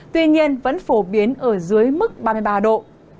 tuy nhiên vẫn phổ biến ở dưới mức ba mươi ba độ